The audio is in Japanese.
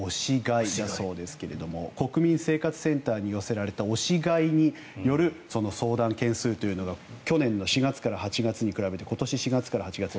押し売りじゃなくて押し買いだそうですが国民生活センターに寄せられた押し買いによる相談件数というのが去年４月から８月に比べて今年４月から８月は